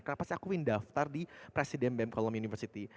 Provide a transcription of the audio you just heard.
kenapa sih aku ingin daftar di presiden bem colum university